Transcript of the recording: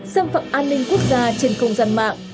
xâm phạm an ninh quốc gia trên không gian mạng